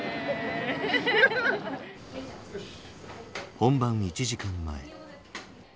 本番１時間前。